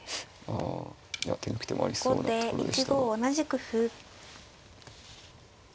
あいや手抜く手もありそうなところでしたが。